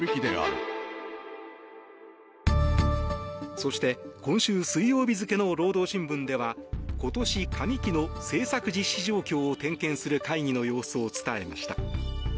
そして、今週水曜日付の労働新聞では今年上期の政策実施状況を点検する会議の様子を伝えました。